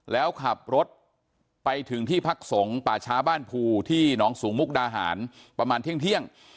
แล้วขับรถไปถึงที่พักสงฆ์ป่าช้าบ้านภูที่น้องสูงมุกดาหารประมาณเที่ยง